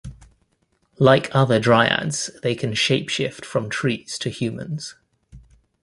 Like other dryads, they can shapeshift from trees to humans.